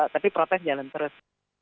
tapi protes jalan terus